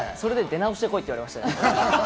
出直して来いって言われました。